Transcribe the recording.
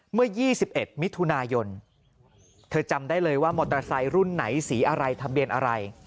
เมื่อ๒๑มิถุนายนเธอจำได้เลยว่ามอเตอร์ไซค์รุ่นไหนสีอะไรทะเบียนอะไร